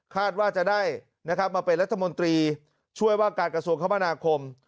คาดว่าจะได้นะครับมาเป็นรัฐบาทีช่วยว่าการกระทรวงคมนาคม